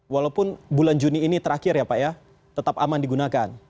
walaupun bulan juni ini terakhir ya pak ya tetap aman digunakan